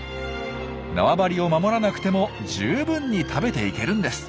縄張りを守らなくても十分に食べていけるんです。